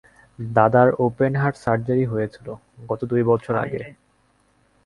দাদার open heart surgery হয়েছিলো গত দুই বছর আগে।